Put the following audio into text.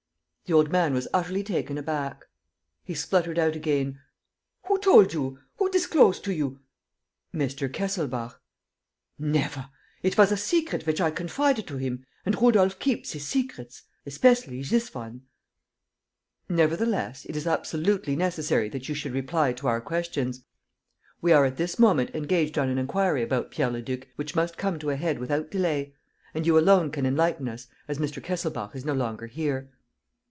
The old man was utterly taken aback. He spluttered out again: "Who told you? Who disclosed to you ...?" "Mr. Kesselbach." "Never! It was a secret which I confided to him and Rudolf keeps his secrets ... especially this one ..." "Nevertheless, it is absolutely necessary that you should reply to our questions. We are at this moment engaged on an inquiry about Pierre Leduc which must come to a head without delay; and you alone can enlighten us, as Mr. Kesselbach is no longer here."